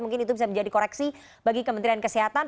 mungkin itu bisa menjadi koreksi bagi kementerian kesehatan